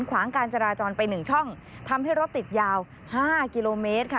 ขวางการจราจรไป๑ช่องทำให้รถติดยาว๕กิโลเมตรค่ะ